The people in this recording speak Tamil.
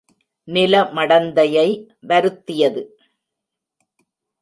நில மடந்தையை வருத்தியது.